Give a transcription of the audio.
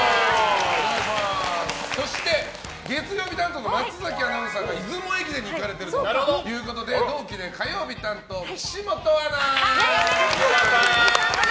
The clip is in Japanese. そして月曜日担当の松崎アナウンサーが出雲駅伝に行かれているということで同期で火曜日担当、岸本アナ！